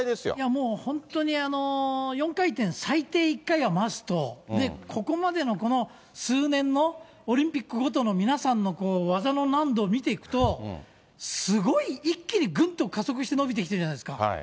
いやもう本当に、４回転、最低１回はマスト、で、ここまでのこの数年のオリンピックごとの皆さんの技の難度を見ていくと、すごい一気にぐんっと加速して伸びてきてるじゃないですか。